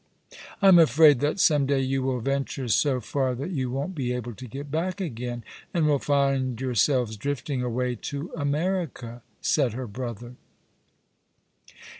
" I'm afraid that some day you will venture so far that you won't be able to get back again, and will find yourselves drift ing away to America," said her brother.